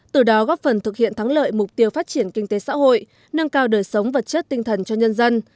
từ đó góp phần thực hiện thắng lợi mục tiêu phát triển kinh tế xã hội nâng cao đời sống vật chất tinh thần cho nhân dân